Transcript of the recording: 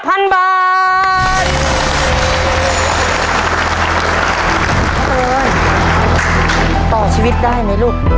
เอิญต่อชีวิตได้ไหมลูก